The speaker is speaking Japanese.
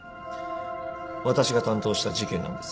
私が担当した事件なんです。